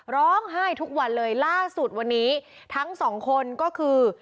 ร้องไห้ทุกวันเลยล่าสุดวันนี้ทั้งสองคนก็คือ